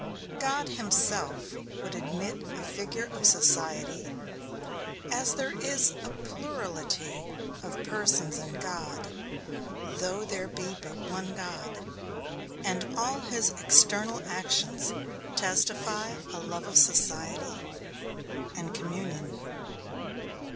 God himself would admit a figure of society, as there is a plurality of persons in God, though there be but one God; and all his external actions testify a love of society, and communion.